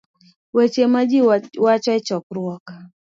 weche ma ji wacho e chokruok